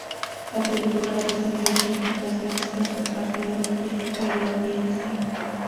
La película recibió críticas mixtas de parte de la crítica y la audiencia.